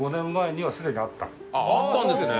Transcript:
あったんですね。